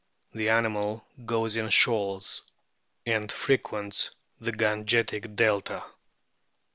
The animal goes in shoals, and frequents the Gangetic delta.